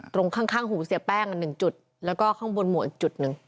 ตรงข้างหูเสียแป้ง๑จุดแล้วก็ข้างบนหมวกอีกจุดหนึ่ง